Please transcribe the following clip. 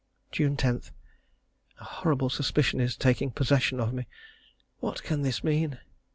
June 10. A horrible suspicion is taking possession of me. What can this mean?